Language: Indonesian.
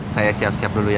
saya siap siap dulu ya